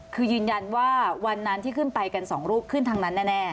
คือยืนยันว่าวันนั้นที่ขึ้นไปกันสองรูปขึ้นทางนั้นแน่